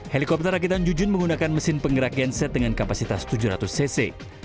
helikopter rakitan jujun menggunakan mesin penggerak genset dengan kapasitas tujuh ratus cc